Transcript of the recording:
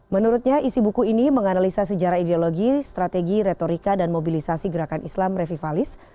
menurutnya isi buku ini menganalisa sejarah ideologi strategi retorika dan mobilisasi gerakan islam revivalis